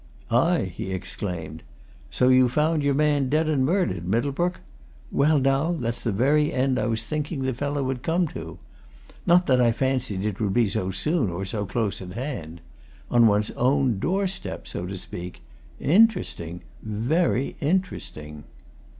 "Aye?" he exclaimed. "So you found your man dead and murdered, Middlebrook? Well, now, that's the very end that I was thinking the fellow would come to! Not that I fancied it would be so soon, nor so close at hand. On one's own doorstep so to speak. Interesting! Very interesting!"